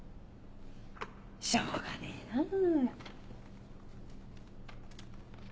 しょうがねえなぁ。